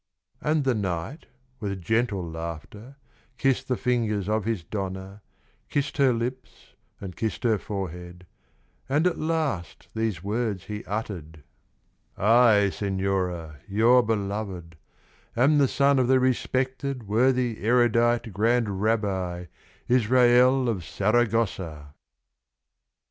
And the knight, with gentle laughter, Kissed the fingers of his donna, Kissed her lips and kissed her forehead, And at last these words he uttered: "I, Señora, your belovèd, Am the son of the respected Worthy, erudite Grand Rabbi, Israel of Saragossa!"